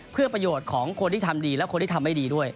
เพื่อประโยชน์ของคนที่ทำดีและคนที่ทำไม่ดีด้วย